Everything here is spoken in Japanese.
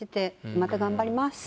また頑張ります。